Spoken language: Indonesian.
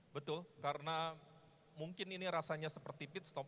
betul karena mungkin ini rasanya seperti pitstop